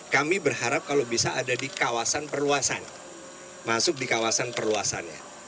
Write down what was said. kami berharap kalau bisa ada di kawasan perluasan masuk di kawasan perluasannya